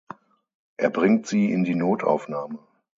Er bringt sie in die Notaufnahme.